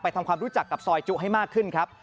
ทำความรู้จักกับซอยจุให้มากขึ้นครับ